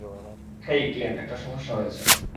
হেই, Clem, একটা সমস্যা হয়েছে!